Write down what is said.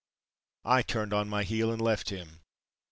I turned on my heel and left him.